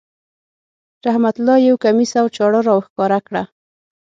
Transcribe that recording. رحمت الله یو کمیس او چاړه را وښکاره کړه.